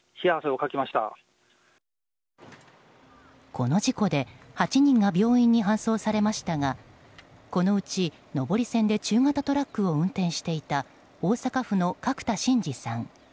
この事故で８人が病院に搬送されましたがこのうち、上り線で中型トラックを運転していた大阪府の角田進治さん